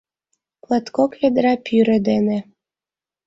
Латкок ведра пӱрӧ дене